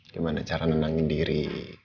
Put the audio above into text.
gimana cara nenangin diri